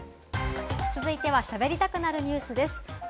続いては、しゃべりたくなるニュスです。